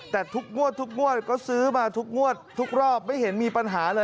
แต่ทุกงวดทุกงวดก็ซื้อมาทุกงวดทุกรอบไม่เห็นมีปัญหาเลย